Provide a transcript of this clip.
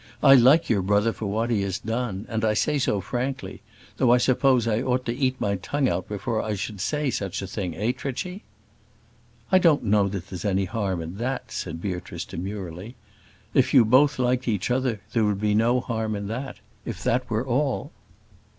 I like your brother for what he has done, and I say so frankly though I suppose I ought to eat my tongue out before I should say such a thing, eh, Trichy?" "I don't know that there's any harm in that," said Beatrice, demurely. "If you both liked each other there would be no harm in that if that were all."